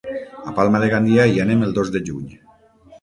A Palma de Gandia hi anem el dos de juny.